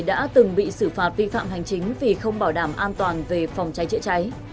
đã từng bị xử phạt vi phạm hành chính vì không bảo đảm an toàn về phòng cháy chữa cháy